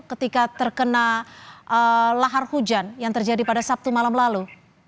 ketika terkena lahar hujan yang terjadi pada sabtu malam lalu